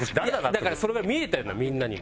いやだからそれが見えてるのみんなにも。